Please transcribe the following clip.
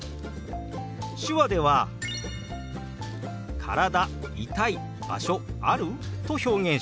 手話では「体痛い場所ある？」と表現します。